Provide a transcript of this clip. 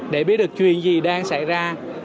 để biết được chuyện gì đang xảy ra